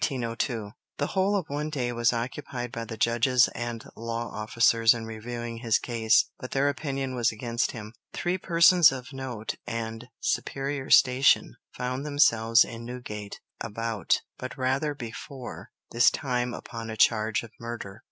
The whole of one day was occupied by the judges and law officers in reviewing his case, but their opinion was against him. Three persons of note and superior station found themselves in Newgate about but rather before this time upon a charge of murder.